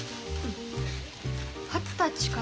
二十歳かな。